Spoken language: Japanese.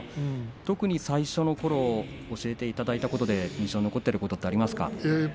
最初のころ教えていただいたことで印象に残っていることはありますか。